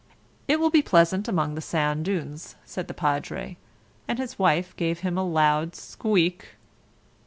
"It will be pleasant among the sand dunes," said the Padre, and his wife gave a loud squeak.